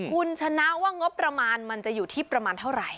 คุณชนะว่างบประมาณมันจะอยู่ที่ประมาณเท่าไหร่